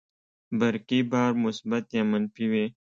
برقي بار مثبت یا منفي وي.